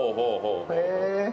へえ。